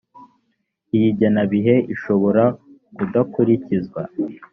iyi ngengabihe ishobora kudakurizwa